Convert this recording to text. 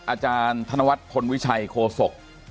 อาจารย์ธนวัฒน์พลวิชัยโคศก